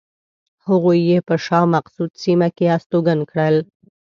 هغوی یې په شاه مقصود سیمه کې استوګن کړل.